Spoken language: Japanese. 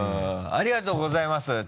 ありがとうございます